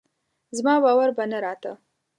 زما باور به نه راته